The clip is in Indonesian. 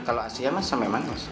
kalau asia mas sampai mana